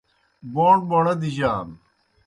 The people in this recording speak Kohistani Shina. بوݨ بوݨہ دِجانوْ